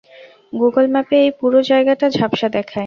Google ম্যাপে এই পুরো জায়গাটা ঝাপসা দেখায়।